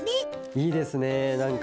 いいですねなんか。